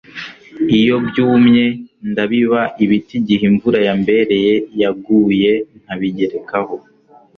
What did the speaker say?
iyo byumye. ndabiba ibiti igihe imvura yambere yaguye, nkabigerekaho